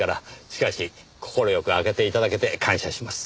しかし快く開けて頂けて感謝します。